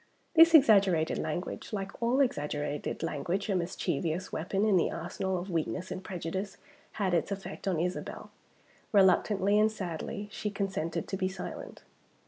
This exaggerated language like all exaggerated language, a mischievous weapon in the arsenal of weakness and prejudice had its effect on Isabel. Reluctantly and sadly, she consented to be silent.